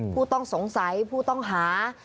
ผู้ต้องสงสัยผู้ต้องหา